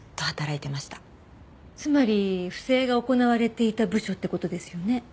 つまり不正が行われていた部署って事ですよね？